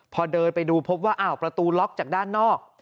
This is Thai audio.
พอเดินไปดูพบว่าอ้าวประตูล็อกจากด้านนอก